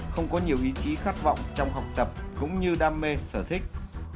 không có nhiều ý chí khát vọng trong học tập cũng như đam mê sở thích